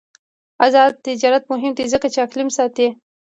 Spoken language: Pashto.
آزاد تجارت مهم دی ځکه چې اقلیم ساتي.